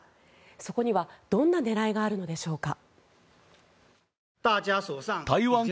そこにはどんな狙いがあるのでしょうか。